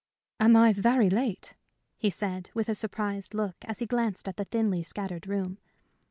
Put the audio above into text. "Am I very late?" he said, with a surprised look as he glanced at the thinly scattered room.